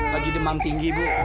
lagi demam tinggi mbah